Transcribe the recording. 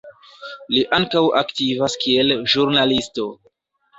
Li ankaŭ aktivas kiel ĵurnalisto.